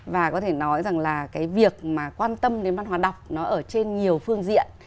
và có thể nói rằng là cái việc mà quan tâm đến văn hóa đọc nó ở trên nhiều phương diện